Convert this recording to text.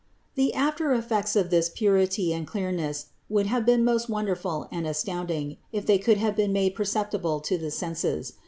The after effects of this purity and clear ness would have been most wonderful and astounding, if they could have been made perceptible to the senses.